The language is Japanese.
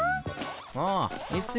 あいいっすよ。